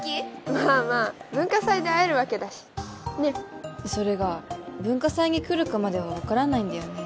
まあまあ文化祭で会えるわけだしねえそれが文化祭に来るかまでは分からないんだよね